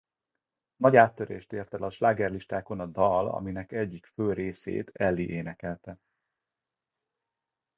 Nagy áttörést ért el a slágerlistákon a dal aminek egyik fő részét Ally énekelte.